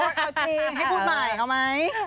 เอาจริงให้พูดใหม่เอาไหม